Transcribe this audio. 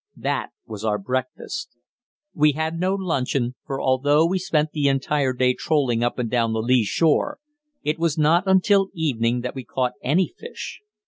That was our breakfast. We had no luncheon; for although we spent the entire day trolling up and down the lee shore, it was not until evening that we caught any fish.